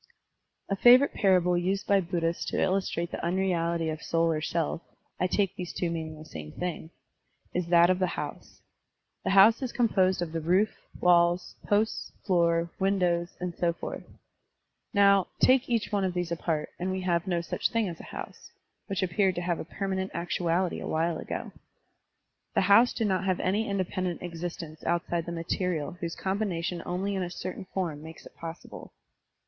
A favorite parable used by Buddhists to illus trate the unreality of soul or self (I take these two meaning the same thing), is that of the house. The house is composed of the roof, walls, posts, floor, windows, and so forth. Now, take each Digitized by Google ASSERTIONS AND DENIALS 43 one of these apart, and we have no such thing as a house, which appeared to have a permanent actuality awhile ago. The house did not have any independent existence outside the material whose combination only in a certain form makes it possible.